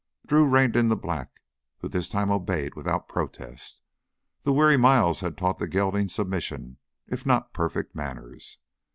Drew reined in the black, who this time obeyed without protest. The weary miles had taught the gelding submission if not perfect manners.